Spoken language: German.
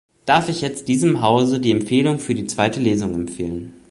Darf ich jetzt diesem Hause die Empfehlung für die zweite Lesung empfehlen.